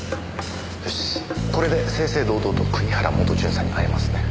よしこれで正々堂々と国原元巡査に会えますね。